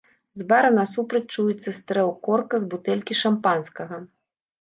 З бара насупраць чуецца стрэл корка з бутэлькі шампанскага.